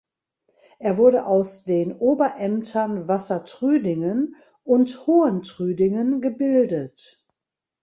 Er wurde aus den Oberämtern Wassertrüdingen und Hohentrüdingen gebildet.